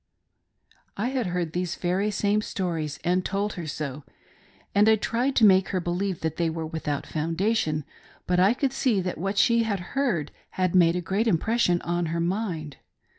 I had heard these very same stories, and told her so ; and I tried to make her believe^ that they were without foundation ; but I could see that what she had heard had made a great im > pression on her mind.